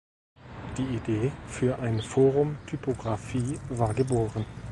Die Idee für ein „Forum Typografie“ war geboren.